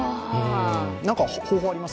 何か方法あります？